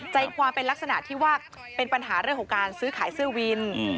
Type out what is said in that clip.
ใจความเป็นลักษณะที่ว่าเป็นปัญหาเรื่องของการซื้อขายเสื้อวิน